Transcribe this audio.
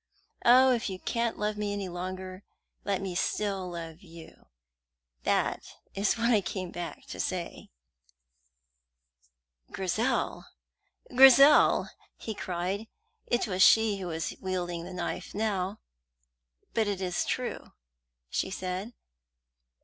Oh, if you can't love me any longer, let me still love you! That is what I came back to say." "Grizel, Grizel!" he cried. It was she who was wielding the knife now. "But it is true," she said.